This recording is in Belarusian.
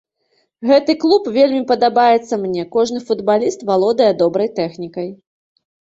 Гэты клуб вельмі падабаецца мне, кожны футбаліст валодае добрай тэхнікай.